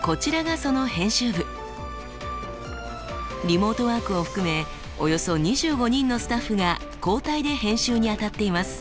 リモートワークを含めおよそ２５人のスタッフが交代で編集にあたっています。